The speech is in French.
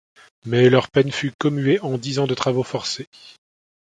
Mais leur peine fut commuée en dix ans de travaux forcés.